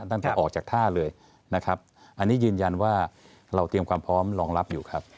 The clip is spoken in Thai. ตั้งแต่ออกจากท่าเลยนะครับอันนี้ยืนยันว่าเราเตรียมความพร้อมรองรับอยู่ครับ